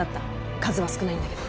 数は少ないんだけど。